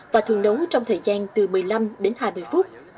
và thường nấu trong thời gian từ một mươi năm đến hai mươi phút